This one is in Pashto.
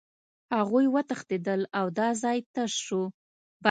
هغوی وتښتېدل او دا ځای تش شو